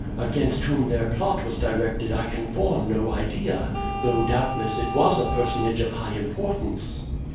Against whom their plot was directed I can form no idea; though, doubtless, it was a personage of high importance."